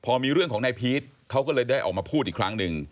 พอมีเรื่องของนายพีชเขาก็เลยได้ออกมาพูดอีกครั้งหนึ่ง